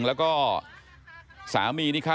แล้วก็สามีนี่ค่ะ